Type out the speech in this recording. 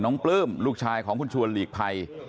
น้องปลื้มลูกชายของคุณชวนลีกไพ่